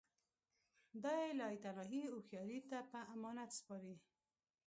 دا یې لایتناهي هوښیاري ته په امانت سپاري